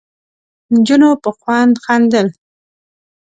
نجونو په خوند خندل.